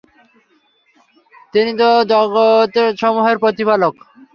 তিনি তো জগতসমূহের প্রতিপালক।